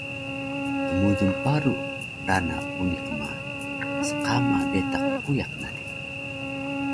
dmudul paru rana puniq ma sqama betaq puyaq na di